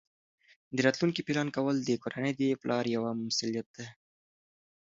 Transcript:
د راتلونکي پلان کول د کورنۍ د پلار یوه مسؤلیت ده.